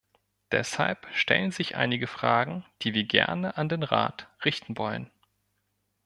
Deshalb stellen sich einige Fragen, die wir gerne an den Rat richten wollen.